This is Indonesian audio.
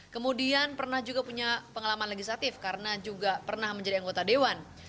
kemudian pernah juga punya pengalaman legislatif karena juga pernah menjadi anggota dewan